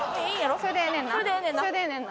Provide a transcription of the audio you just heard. それでええねんな？